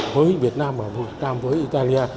với việt nam và vừa trăm với italia